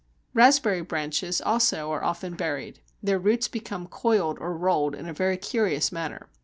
Raspberry branches also are often buried; their roots become coiled or rolled in a very curious manner.